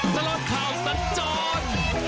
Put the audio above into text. ตลอดข่าวสัญจร